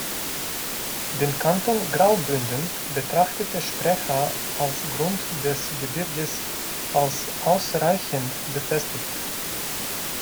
Den Kanton Graubünden betrachtete Sprecher auf Grund des Gebirges als ausreichend befestigt.